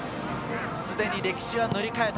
すでに歴史は塗り替えた。